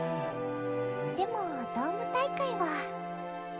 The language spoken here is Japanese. でもドーム大会は。